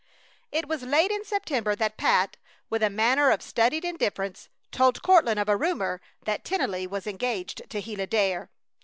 It was late in September that Pat, with a manner of studied indifference, told Courtland of a rumor that Tennelly was engaged to Gila Dare.